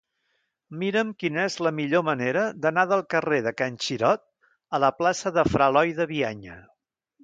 Mira'm quina és la millor manera d'anar del carrer de Can Xirot a la plaça de Fra Eloi de Bianya.